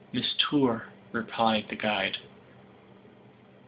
"Mistour," replied the guide.